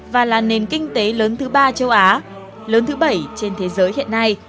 và là nền kinh tế lớn thứ ba châu á lớn thứ bảy trên thế giới hiện nay